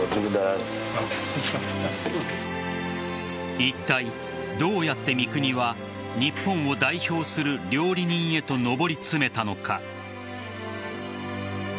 いったい、どうやって三國は日本を代表する料理人へと上り詰めたのか。